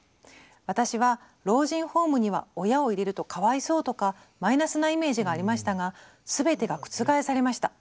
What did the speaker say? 「私は老人ホームには親を入れるとかわいそうとかマイナスなイメージがありましたが全てが覆されました。